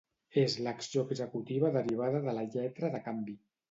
És l'acció executiva derivada de la lletra de canvi.